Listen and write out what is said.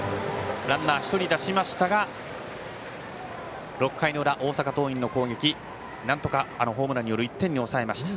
ランナー、１人出しましたが６回裏、大阪桐蔭の攻撃なんとかホームランによる１点に抑えました。